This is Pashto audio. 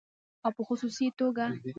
او په خصوصي توګه